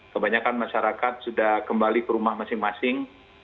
kebanyakan masyarakat sudah kembali ke rumah masing masing